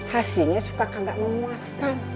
hasilnya suka kagak memuaskan